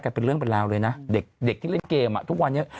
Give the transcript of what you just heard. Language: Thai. เป็นเรื่องเป็นราวเลยนะเด็กที่เล่นเกมทุกวันนี้